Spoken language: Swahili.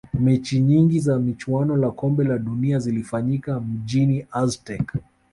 mechi nyingi za michuano la kombe la dunia zilifanyika mjini azteca